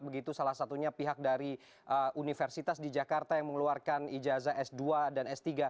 begitu salah satunya pihak dari universitas di jakarta yang mengeluarkan ijazah s dua dan s tiga